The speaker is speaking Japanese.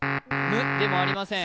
「む」でもありません。